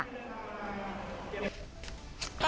คิดเหลือหนึ่ง